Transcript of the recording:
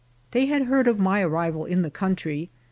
They had heard of my arrival in the country.